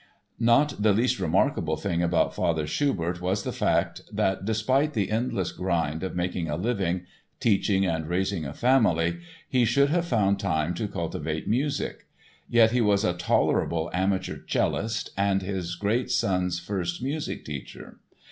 Not the least remarkable thing about Father Schubert was the fact that, despite the endless grind of making a living, teaching and raising a family, he should have found time to cultivate music. Yet he was a tolerable amateur cellist and his great son's first music teacher.